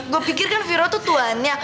gue pikir kan viral tuh tuannya